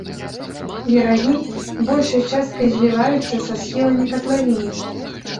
Берагі большай часткай зліваюцца са схіламі катлавіны.